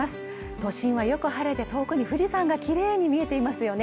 都心はよく晴れて遠くに富士山がきれいに見えていますよね